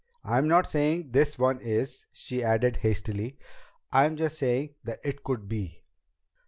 I'm not saying this one is," she added hastily, "I'm just saying that it could be."